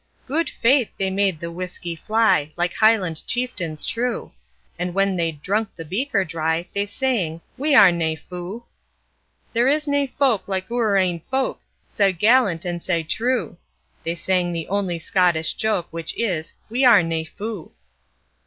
Gude Faith! They made the whisky fly, Like Highland chieftains true, And when they'd drunk the beaker dry They sang 'We are nae fou!' 'There is nae folk like oor ain folk, Sae gallant and sae true.' They sang the only Scottish joke Which is, 'We are nae fou.'